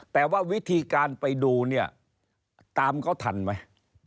แต่ว่าวิธีการไปดูเนี่ยตามเขาทันไหม